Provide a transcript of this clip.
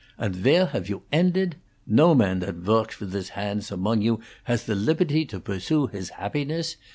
And where haf you entedt? No man that vorks vith his handts among you has the liperty to bursue his habbiness.